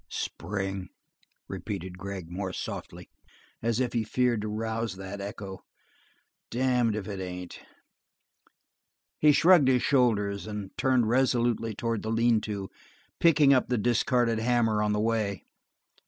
"Spring," repeated Gregg more softly, as if he feared to rouse that echo, "damned if it ain't!" He shrugged his shoulders and turned resolutely towards the lean to, picking up the discarded hammer on the way.